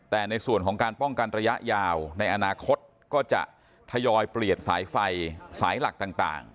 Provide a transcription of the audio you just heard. แต่ในส่วนของการป้องกันระยะยาวในอนาคตก็จะทยอยเปลี่ยนสายไฟสายหลักต่าง